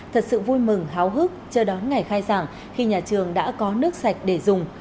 thật sự vui mừng háo hức chờ đón ngày khai giảng khi nhà trường đã có nước sạch để dùng